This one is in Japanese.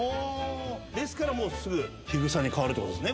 ですからもうすぐ樋口さんにかわるってことですね